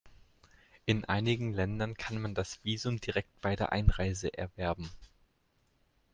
In einigen Ländern kann man das Visum direkt bei der Einreise erwerben.